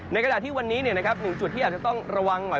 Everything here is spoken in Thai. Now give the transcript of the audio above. ในขณะที่วันนี้๑จุดที่อาจจะต้องระวังหน่อย